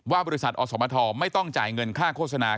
บริษัทอสมทไม่ต้องจ่ายเงินค่าโฆษณา